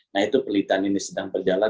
nah itu pelitaan ini sedang berjalan